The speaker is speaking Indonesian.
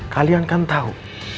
kalian kan tahu